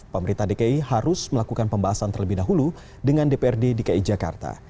pemerintah dki harus melakukan pembahasan terlebih dahulu dengan dprd dki jakarta